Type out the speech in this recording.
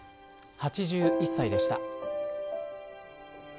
８１歳でした。